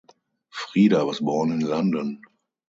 Frieda was born in London.